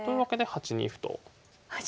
８二歩と。